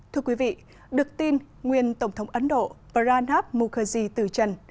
thưa quý vị được tin nguyên tổng thống ấn độ pranab mukherjee từ trần